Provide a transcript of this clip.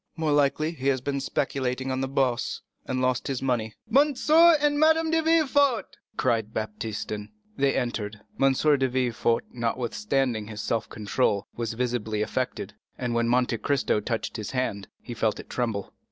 More likely he has been speculating on the Bourse, and has lost money." "M. and Madame de Villefort," cried Baptistin. They entered. M. de Villefort, notwithstanding his self control, was visibly affected, and when Monte Cristo touched his hand, he felt it tremble.